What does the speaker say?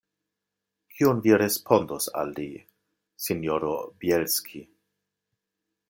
Kion vi respondos al li, sinjoro Bjelski?